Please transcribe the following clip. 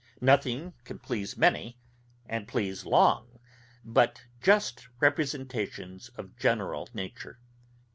Nothing can please many, and please long, but just representations of general nature.